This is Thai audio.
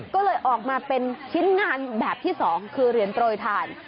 ก็เลยออกมาเป็นชิ้นงานแบบที่๒คือเหรียญโปรยทาน